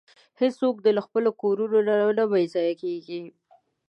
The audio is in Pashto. هیڅوک دې له خپلو کورونو نه بې ځایه کیږي.